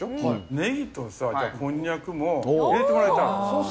ねぎとこんにゃくも入れてもらいたい。